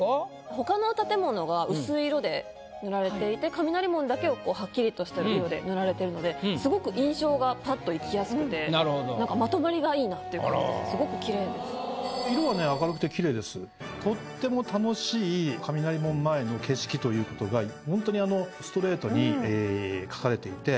他の建物が薄い色で塗られていて雷門だけをはっきりとした色で塗られてるのですごく印象がぱっといきやすくてまとまりがいいなっていう感じですごくきれいです。ということがホントにストレートに描かれていて。